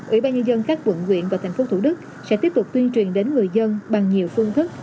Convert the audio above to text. ủy ban nhân dân các quận huyện và thành phố thủ đức sẽ tiếp tục tuyên truyền đến người dân bằng nhiều phương thức